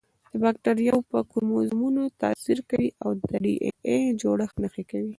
د باکتریاوو په کروموزومونو تاثیر کوي او د ډي این اې جوړښت نهي کوي.